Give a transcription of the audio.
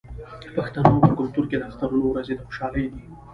د پښتنو په کلتور کې د اخترونو ورځې د خوشحالۍ دي.